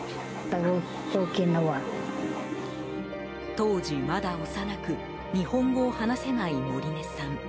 当時、まだ幼く日本語を話せないモリネさん。